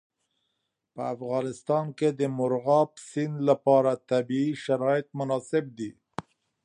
په افغانستان کې د مورغاب سیند لپاره طبیعي شرایط مناسب دي.